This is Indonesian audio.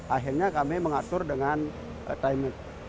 akhirnya kami mengatur dengan timing